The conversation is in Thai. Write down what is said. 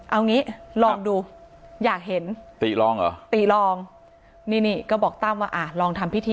เอางี้ลองดูอยากเห็นติลองเหรอติลองนี่นี่ก็บอกตั้มว่าอ่ะลองทำพิธี